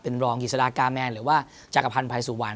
เป็นรองกิจสดากาแมนหรือว่าจักรพันธ์ภัยสุวรรณ